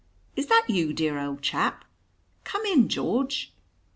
"Is that you, dear old chap? Come in, George."